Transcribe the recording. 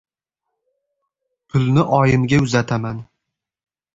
Pulni oyimga uzataman.